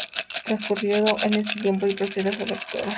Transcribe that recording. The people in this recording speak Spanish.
Transcurrido ese tiempo, se procede a su lectura.